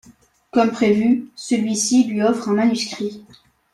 Comme prévu, celle-ci lui offre un manuscrit.